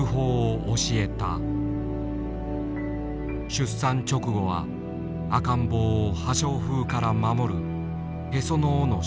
出産直後は赤ん坊を破傷風から守るへその緒の処置。